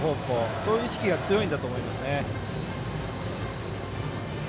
そういう意識が強いんだと思います。